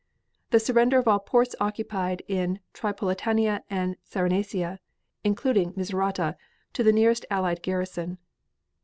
The surrender of all ports occupied in Tripolitania and Cyrenaica, including Mizurata, to the nearest Allied garrison.